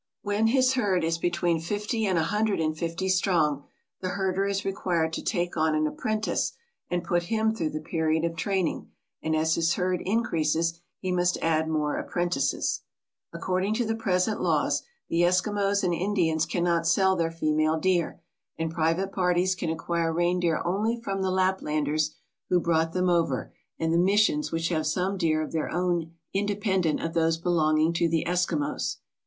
When his herd is between fifty and a hundred and fifty strong the herder is required to take on an apprentice and put him through the period of training, and as his herd increases he must add more apprentices. According to the present laws, the Eskimos and Indians cannot sell their female deer, and private parties can 208 REINDEER MEAT FOR AMERICAN MARKETS acquire reindeer only from the Laplanders who brought them over and the missions which have some deer of their own independent of those belonging to the Eskimos.